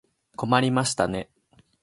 困りましたね。